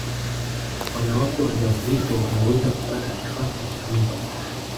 wanawake wajawazito wanaweza kupata kifafa cha mimba